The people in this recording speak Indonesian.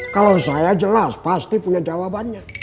kalau saya jelas pasti punya jawabannya